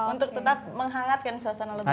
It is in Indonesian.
untuk tetap menghangatkan suasana lebaran